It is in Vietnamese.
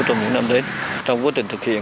trong những năm đến trong quá trình thực hiện